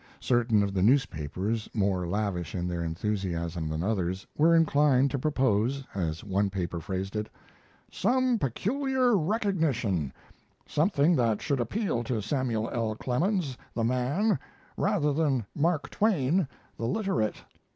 Certain of the newspapers, more lavish in their enthusiasm than others, were inclined to propose, as one paper phrased it, "Some peculiar recognition something that should appeal to Samuel L. Clemens, the man, rather than to Mark Twain, the literate.